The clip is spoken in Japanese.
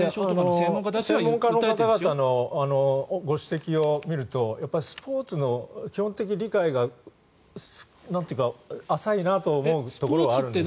専門家の方々のご指摘を見るとスポーツの基本的理解が浅いなと思うところはあります。